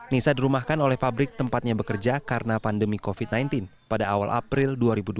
nisa dirumahkan oleh pabrik tempatnya bekerja karena pandemi covid sembilan belas pada awal april dua ribu dua puluh